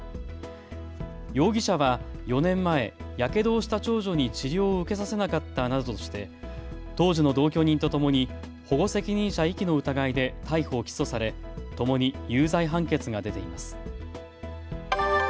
容疑者は４年前、やけどをした長女に治療を受けさせなかったなどとして当時の同居人とともに保護責任者遺棄の疑いで逮捕・起訴されともに有罪判決が出ています。